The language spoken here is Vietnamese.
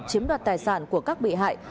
chiếm đoạt tài sản của các bị hại